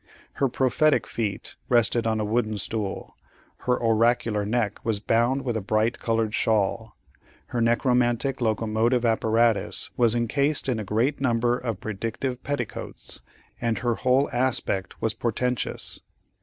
Her prophetic feet rested on a wooden stool; her oracular neck was bound with a bright colored shawl; her necromantic locomotive apparatus was incased in a great number of predictive petticoats, and her whole aspect was portentous.